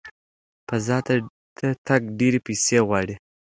فضا ته تګ ډېرې پیسې غواړي.